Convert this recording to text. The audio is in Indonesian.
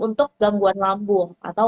untuk gangguan lambung atau